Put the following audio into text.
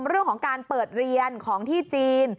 เรื่องของการเปิดเรียนของที่จีน